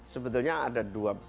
sebetulnya ada dua